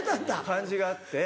感じがあって。